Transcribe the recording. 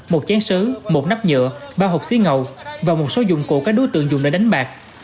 một chán sứ một nắp nhựa ba hộp xí ngầu và một số dụng cụ các đối tượng dùng để đánh bạc